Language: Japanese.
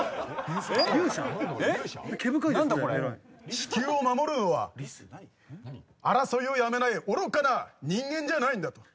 地球を守るのは争いをやめないおろかな人間じゃないんだと。